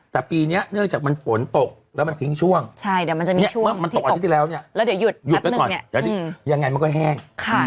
แต่ปีนี้เนื่องจากมันฝนตกแล้วมันทิ้งช่วงมันตกอันที่ที่แล้วแล้วเดี๋ยวหยุดยังไงมันก็แห้ง